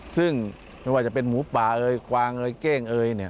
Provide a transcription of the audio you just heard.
ซึ่งไม่ว่าจะเป็นหมูป่าเอยกวางเอยเก้งเอยเนี่ย